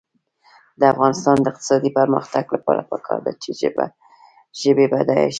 د افغانستان د اقتصادي پرمختګ لپاره پکار ده چې ژبې بډایه شي.